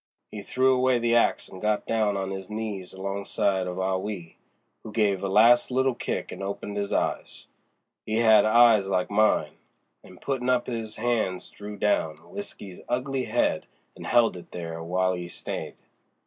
He threw away the axe and got down on 'is knees alongside of Ah Wee, who gave a last little kick and opened 'is eyes—he had eyes like mine—an' puttin' up 'is hands drew down W'isky's ugly head and held it there w'ile 'e stayed.